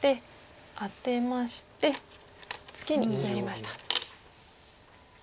アテましてツケになりました。